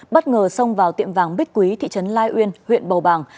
bất ngờ xông vào tiệm vàng bích quý thị trấn lai uyên huyện bầu bàng